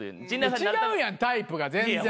違うやんタイプが全然。